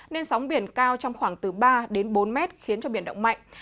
nên sóng biển cao trong khoảng từ ba đến bốn mét khiến cho biển động mạnh